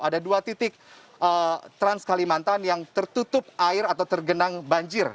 ada dua titik trans kalimantan yang tertutup air atau tergenang banjir